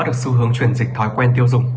được xu hướng truyền dịch thói quen tiêu dùng